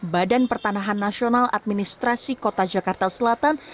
badan pertanahan nasional administrasi kota jakarta selatan